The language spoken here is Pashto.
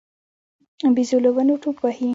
بيزو له ونو ټوپ وهي.